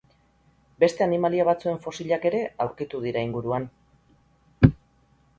Beste animalia batzuen fosilak ere aurkitu dira inguruan.